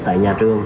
tại nhà trường